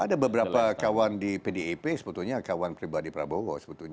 ada beberapa kawan di pdip sebetulnya kawan pribadi prabowo sebetulnya